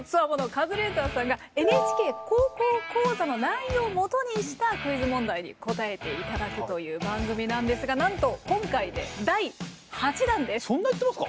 カズレーザーさんが「ＮＨＫ高校講座」の内容をもとにしたクイズ問題に答えていただくという番組なんですがなんとそんないってますか？